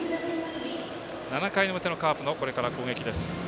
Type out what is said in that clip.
７回の表のカープの攻撃です。